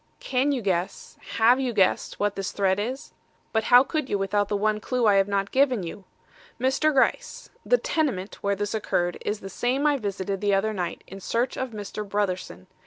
Can you guess have you guessed what this thread is? But how could you without the one clew I have not given you? Mr. Gryce, the tenement where this occurred is the same I visited the other night in search of Mr. Brotherson.